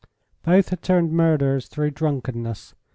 Both had turned murderers through drunkenness.